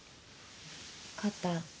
肩。